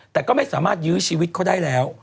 แต่ก็ไม่สามารถยื้อชีวิตเขาได้แล้ว